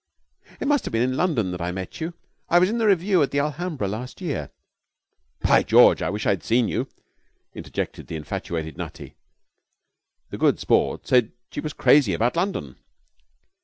'It must have been in London that I met you. I was in the revue at the Alhambra last year.' 'By George, I wish I had seen you!' interjected the infatuated Nutty. The Good Sport said that she was crazy about London.